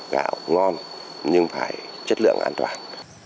gạo ngon nhưng phải chất lượng an toàn